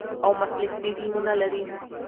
او مسلکي ټیمونه لري،